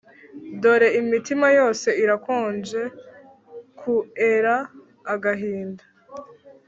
Dore imitima yose irakonje kuera agahinda